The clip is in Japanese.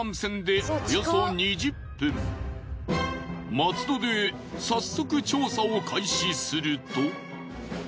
松戸で早速調査を開始すると。